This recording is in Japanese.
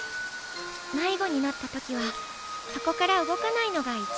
迷子になった時はそこから動かないのが一番なんだって。